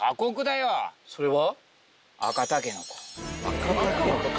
それは？